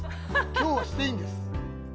今日はしていいんです。